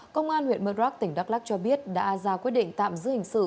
công an huyện murdrock tỉnh đắk lắc cho biết đã ra quyết định tạm giữ hình sự